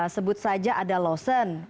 sebut saja ada lawson misalnya